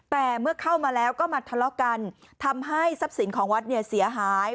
แต่เมื่อเข้ามาแล้วก็มาทะเลาะกันทำให้ทรัพย์สินของวัดเนี่ยเสียหาย